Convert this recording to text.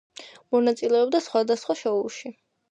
მონაწილეობდა სხვადასხვა შოუში.